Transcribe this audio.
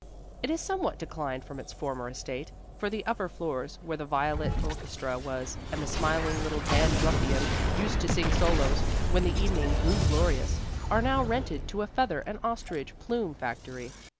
It is somewhat declined from its former estate, for the upper floors, where the violent orchestra was and the smiling little dandruffian used to sing solos when the evening grew glorious, are now rented to a feather and ostrich plume factory.